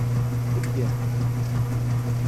Eggeh